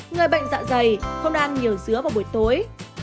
người bệnh dạ dày không ăn nhiều dứa vào buổi tối